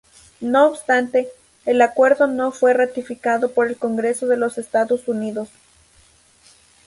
No obstante, el acuerdo no fue ratificado por el Congreso de los Estados Unidos.